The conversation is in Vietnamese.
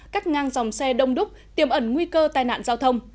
cắt ngang dòng xe đông đúc tiềm ẩn nguy cơ tai nạn giao thông